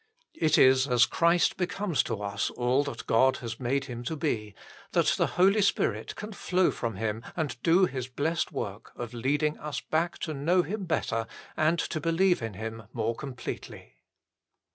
It is as Christ becomes to us all that God has made Him to be, that the Holy Spirit can flow from Him and do His blessed work of leading us PREFACE vn back to know Him better and to believe in Him more completely.